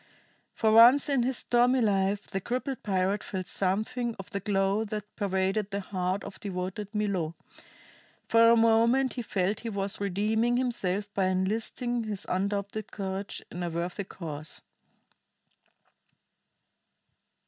For once in his stormy life the crippled pirate felt something of the glow that pervaded the heart of devoted Milo: for a moment he felt he was redeeming himself by enlisting his undoubted courage in a worthy cause.